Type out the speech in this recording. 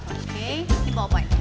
oke dibawa baik